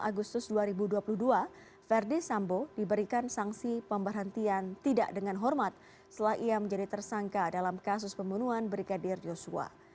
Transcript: dua puluh agustus dua ribu dua puluh dua verdi sambo diberikan sanksi pemberhentian tidak dengan hormat setelah ia menjadi tersangka dalam kasus pembunuhan brigadir yosua